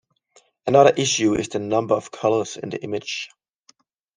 Another issue is the number of colors in the image.